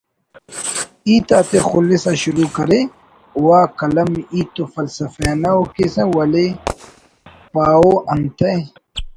ہیت آتے خلسا شروع کرے واہ قلم ہیت تو فلسفیانہ ءُ کیسہ ولے پاہو انتئے